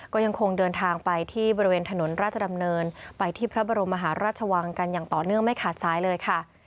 ก็ยังคงเดินทางไปที่บริเวณถนนราชดำเนินไปที่พระบรมมหาราชวังกันอย่างต่อเนื่องไม่ขาดซ้ายเลยค่ะ